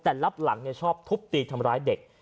แต่รับหลังชอบทุบตีทำร้ายเด็ก